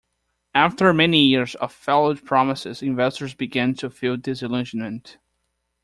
After many years of failed promises, investors began to feel disillusionment.